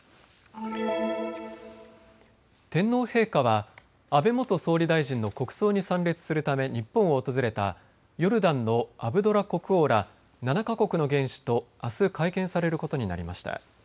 天皇陛下は安倍元総理大臣の国葬に参列するため日本を訪れたヨルダンのアブドラ国王ら７か国の元首とあす、会見されることになりました。